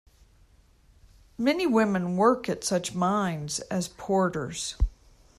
Many women work at such mines as porters.